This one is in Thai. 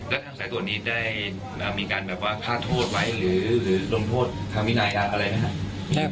แล้วทางสายตรวจนี้ได้มีการแบบว่าฆ่าโทษไหมหรือลงโทษทางวินัยักษ์อะไรไหมครับ